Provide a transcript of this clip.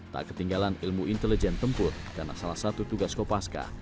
tak ketinggalan ilmu intelijen tempur karena salah satu tugas kopaska